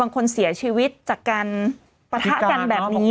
คนเสียชีวิตจากการปะทะกันแบบนี้